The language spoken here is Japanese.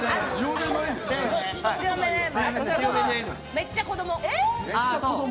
めっちゃ子ども。